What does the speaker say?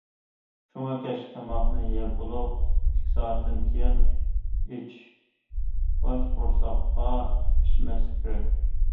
شۇڭا كەچلىك تاماقنى يەپ بولۇپ ئىككى سائەتتىن كېيىن ئىچىش، ئاچ قورساققا ئىچمەسلىك كېرەك.